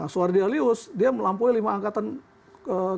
suwardi halius dia melampaui lima angkatan ketiga